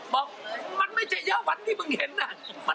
บอกมันไม่เยอะวันที่มูนเห็นมันเยอะทุกวัน